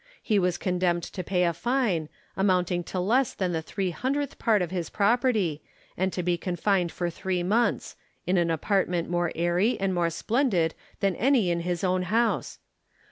He was condemned to pay a fine, amounting to less than the three hundredth part of his property, and to be confined for three months — in an apart ment more airy and more splendid than any in his own house.